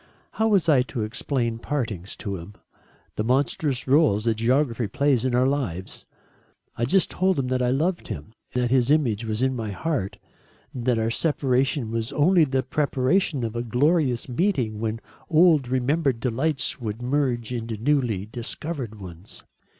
How was I to explain partings to him? The monstrous rôle that geography plays in our lives? I just told him that I loved him, that his image was in my heart, that our separation was only the preparation of a glorious meeting when old remembered delights would merge into newly discovered ones.